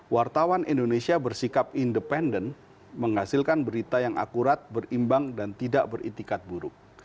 wartawan indonesia bersikap independen menghasilkan berita yang akurat berimbang dan tidak beretikat buruk